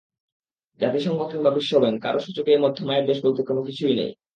জাতিসংঘ কিংবা বিশ্বব্যাংক—কারও সূচকেই মধ্যম আয়ের দেশ বলতে কোনো কিছুই নেই।